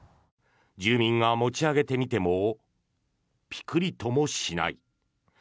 住民が持ち上げてみてもピクリともしない。